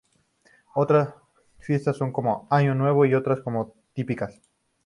Otras fiestas son como año nuevo y otras no tan típicas...